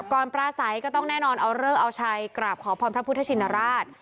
ปลาใสก็ต้องแน่นอนเอาเลิกเอาชัยกราบขอพรพระพุทธชินราช